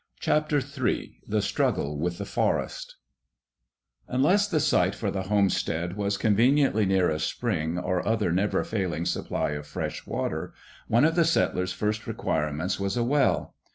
*CHAPTER III* *THE STRUGGLE WITH THE FOREST* Unless the site for the homestead was conveniently near a spring or other never failing supply of fresh water, one of the settler's first requirements was a well.